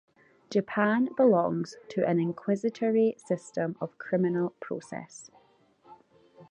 Japan belongs to an inquisitory system of criminal process.